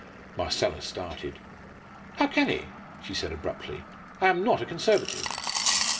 Marcella started. "How can he?" she said abruptly. "I am not a Conservative."